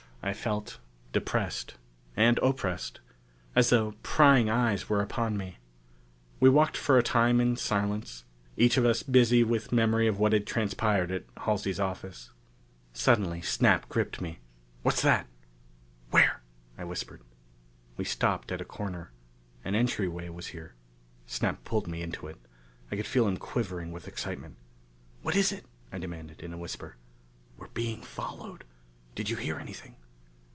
I felt depressed and oppressed. As though prying eyes were upon me. We walked for a time in silence, each of us busy with memory of what had transpired at Halsey's office. Suddenly Snap gripped me. "What's that?" "Where?" I whispered. We stopped at a corner. An entryway was here. Snap pulled me into it. I could feel him quivering with excitement. "What is it?" I demanded in a whisper. "We're being followed. Did you hear anything?"